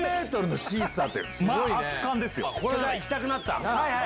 これは行きたくなった。